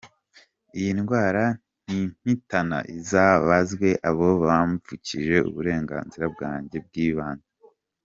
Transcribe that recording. Iyi ndwara nimpitana, izabazwe abo bamvukije uburenganzira bwanjye bw’ibanze».